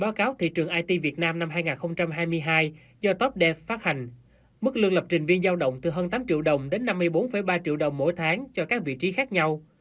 báo cáo thị trường it việt nam năm hai nghìn hai mươi hai do top da phát hành mức lương lập trình viên giao động từ hơn tám triệu đồng đến năm mươi bốn ba triệu đồng mỗi tháng cho các vị trí khác nhau